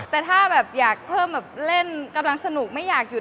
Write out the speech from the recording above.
แต่ถ้าแบบอยากเพิ่มแบบเล่นกำลังสนุกไม่อยากหยุด